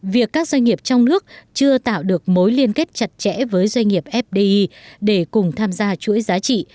việc các doanh nghiệp trong nước chưa tạo được mối liên kết chặt chẽ với doanh nghiệp fdi để cùng tham gia chuỗi giá trị